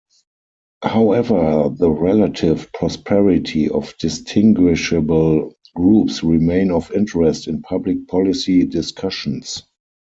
However the relative prosperity of distinguishable groups remain of interest in public policy discussions.